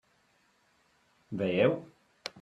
Veieu?